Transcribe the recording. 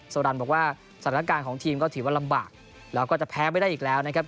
โซรันบอกว่าสถานการณ์ของทีมก็ถือว่าลำบากแล้วก็จะแพ้ไม่ได้อีกแล้วนะครับ